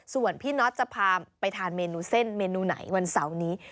ส่วนพี่นฎจะพาไปทานเมนูเส้นเมนูไหนวันเก็บเน็ต